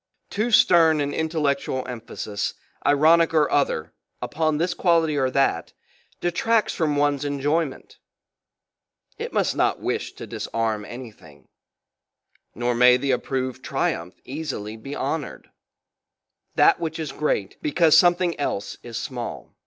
Too stern an intellectual emphasis, i ronic or other upon this quality or that, detracts from one's enjoyment; it must not wish to disarm anything; nor may the approved tri umph easily be honoured that which is great because something else is small.